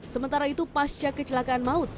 sementara itu pasca kecelakaan maut